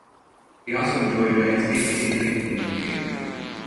He also enjoyed landscape painting and the theatre.